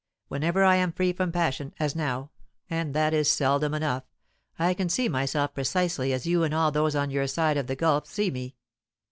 Whenever I am free from passion, as now and that is seldom enough I can see myself precisely as you and all those on your side of the gulf see me.